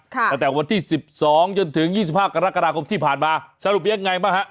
ตั้งแต่วันที่๑๒จนถึง๒๕กรกฎาคมที่ผ่านมาสรุปยังไงบ้างฮะ